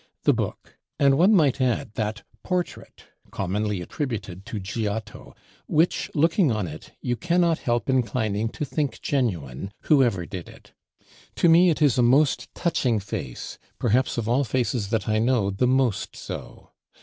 The Book; and one might add that Portrait commonly attributed to Giotto, which, looking on it, you cannot help inclining to think genuine, whoever did it. To me it is a most touching face; perhaps of all faces that I know, the most so.